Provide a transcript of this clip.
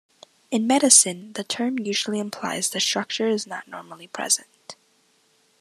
In medicine, the term usually implies the structure is not normally present.